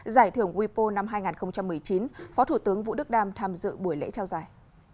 giải thưởng wipo năm hai nghìn một mươi chín phó thủ tướng vũ đức đam tham dự buổi lễ trao giải